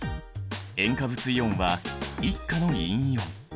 塩化物イオンは１価の陰イオン。